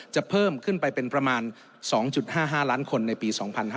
เพิ่มขึ้นไปเป็นประมาณ๒๕๕ล้านคนในปี๒๕๕๙